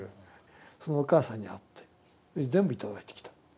そのお母さんに会って全部頂いてきた。